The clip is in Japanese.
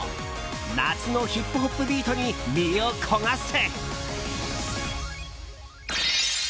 夏のヒップホップビートに身を焦がせ！